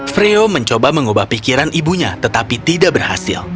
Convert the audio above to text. freo mencoba mengubah pikiran ibunya tetapi tidak berhasil